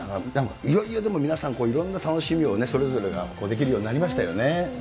いよいよでも皆さん、いろんな楽しみをそれぞれができるようになりましたよね。